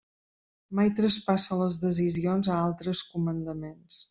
Mai traspassa les decisions a altres comandaments.